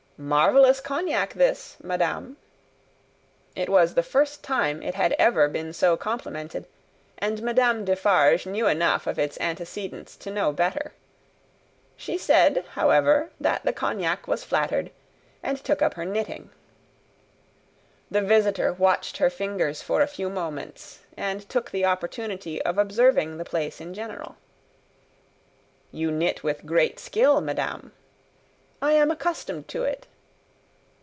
"Marvellous cognac this, madame!" It was the first time it had ever been so complimented, and Madame Defarge knew enough of its antecedents to know better. She said, however, that the cognac was flattered, and took up her knitting. The visitor watched her fingers for a few moments, and took the opportunity of observing the place in general. "You knit with great skill, madame." "I am accustomed to it."